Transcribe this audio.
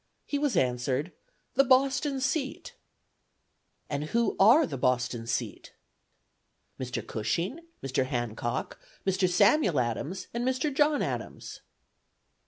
He was answered, 'The Boston seat.' 'And who are the Boston seat?' 'Mr. Cushing, Mr. Hancock, Mr. Samuel Adams, and Mr. John Adams.'